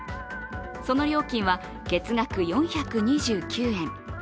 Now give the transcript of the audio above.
その料金は月額４２９円。